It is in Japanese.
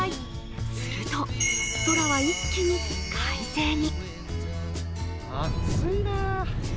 すると、空は一気に快晴に。